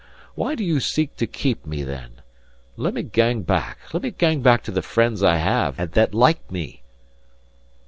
Why do you seek to keep me, then? Let me gang back let me gang back to the friends I have, and that like me!"